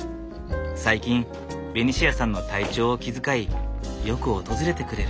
最近ベニシアさんの体調を気遣いよく訪れてくれる。